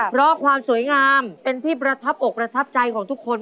เพราะความสวยงามเป็นที่ประทับอกประทับใจของทุกคน